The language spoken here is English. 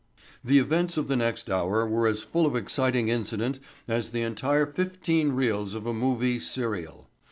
The events of the next hour were as full of exciting incident as the entire fifteen reels of a movie "serial."